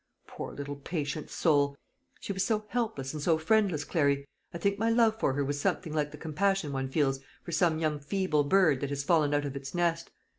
Poor little patient soul! she was so helpless and so friendless, Clary. I think my love for her was something like the compassion one feels for some young feeble bird that has fallen out of its nest.